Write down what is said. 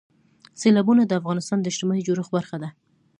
سیلابونه د افغانستان د اجتماعي جوړښت برخه ده.